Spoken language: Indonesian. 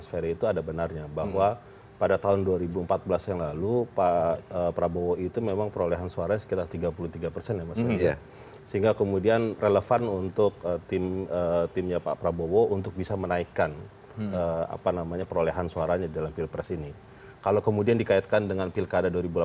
sebelumnya prabowo subianto